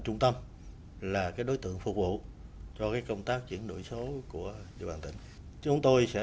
trung tâm là đối tượng phục vụ cho công tác chuyển đổi số của địa bàn tỉnh chúng tôi sẽ